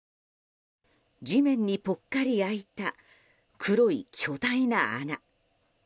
地面にぽっかり開いた黒い巨大な穴。